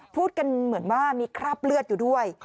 พูดกันเหมือนว่ามีคราบเลือดอยู่ด้วย